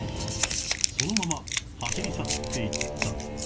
そのまま走り去っていった